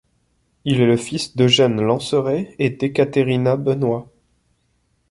Il est le fils d'Eugène Lanceray et d'Ekaterina Benois.